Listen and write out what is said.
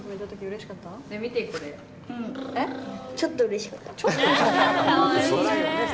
ちょっと嬉しかった。